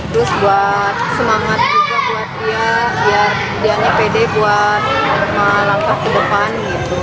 terus buat semangat juga buat dia biarnya pede buat langkah ke depan